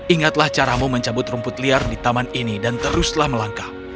ingatlah caramu mencabut rumput liar di taman ini dan teruslah melangkah